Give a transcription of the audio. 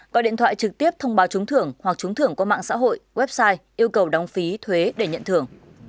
gọi điện thoại trực tiếp thông báo trúng thưởng hoặc trúng thưởng qua mạng xã hội website yêu cầu đóng phí thuế để nhận thưởng